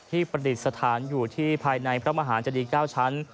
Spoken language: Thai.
ประดิษฐานอยู่ที่ภายในพระมหาเจดี๙ชั้น